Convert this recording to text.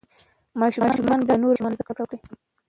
ماشوم باید له نورو ماشومانو زده کړه وکړي.